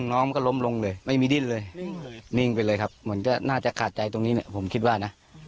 น้องก็ล้มลงเลยไม่มีดิ้นเลยนิ่งไปเลยครับเหมือนก็น่าจะขาดใจตรงนี้เนี่ยผมคิดว่านะ